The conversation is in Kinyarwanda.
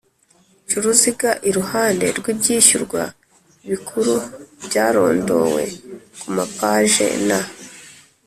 Ca uruziga iruhande rw ibyishyurwa bikuru byarondowe ku mapaje na